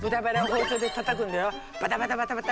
バタバタバタバタ！